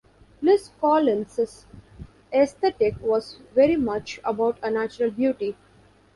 Liz Collins's aesthetic was very much about a natural beauty.